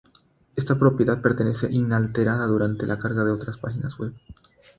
Esta propiedad permanece inalterada durante la carga de otras páginas web.